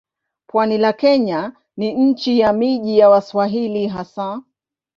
Pwani la Kenya ni nchi ya miji ya Waswahili hasa.